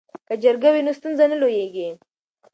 که جرګه وي نو ستونزه نه لویږي.